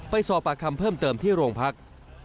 ไปสอบปากคำเพิ่มเติมที่โรงพัก